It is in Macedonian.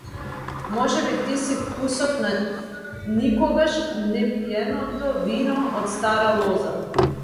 Можеби ти си вкусот на никогаш непиеното вино од стара лоза!